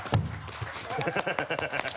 ハハハ